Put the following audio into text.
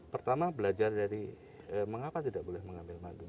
pertama belajar dari mengapa tidak boleh mengambil madu